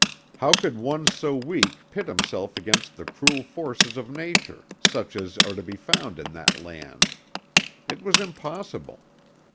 How could one so weak pit himself against the cruel forces of nature such as are to be found in that land? It was impossible.